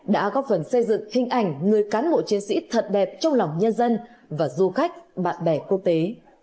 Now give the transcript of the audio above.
đã góp phần xây dựng hình ảnh người cán bộ chiến sĩ thật đẹp trong lòng nhân dân và du khách bạn bè quốc tế